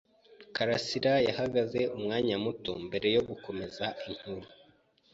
Karasirayarahagaze umwanya muto mbere yo gukomeza inkuru.